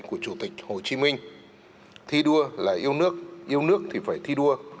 của chủ tịch hồ chí minh thi đua là yêu nước yêu nước thì phải thi đua